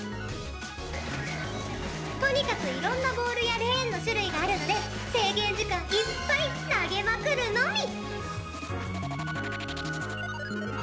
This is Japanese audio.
とにかく色んなボールやレーンの種類があるので制限時間いっぱい投げまくるのみ！